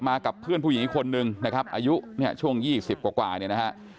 กับเพื่อนผู้หญิงอีกคนนึงนะครับอายุเนี่ยช่วง๒๐กว่าเนี่ยนะฮะ